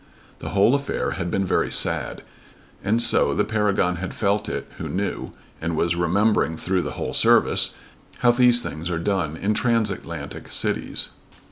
The whole affair had been very sad, and so the Paragon had felt it who knew, and was remembering through the whole service, how these things are done in transatlantic cities.